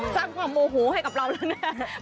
สร้างความโมโหให้กับเราแล้วแน่